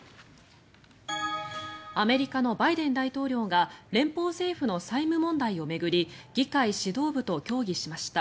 アメリカのバイデン大統領が連邦政府の債務問題を巡り議会指導部と協議しました。